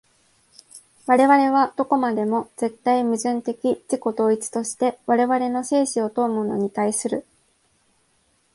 我々はどこまでも絶対矛盾的自己同一として我々の生死を問うものに対する。